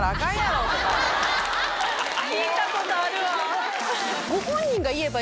聞いたことあるわ。